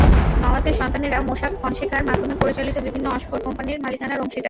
নওয়াজের সন্তানেরা মোসাক ফনসেকার মাধ্যমে পরিচালিত বিভিন্ন অফশোর কোম্পানির মালিকানার অংশীদার।